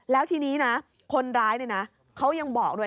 แล้วทีนี้คนร้ายเขายังบอกด้วย